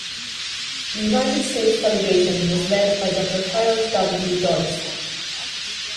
The United States delegation was led by Doctor Harold W. Dodds.